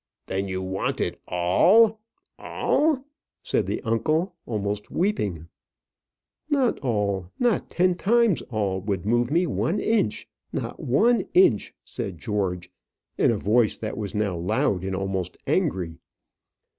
"Then you want it all all!" said the uncle, almost weeping. "Not all, nor ten times all would move me one inch not one inch," said George, in a voice that was now loud, and almost angry.